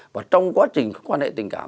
và trong quá trình quan hệ tình cảm